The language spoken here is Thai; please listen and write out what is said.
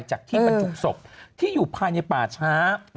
จากที่บรรจุศพที่อยู่ภายในป่าช้า